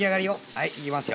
はいいきますよ。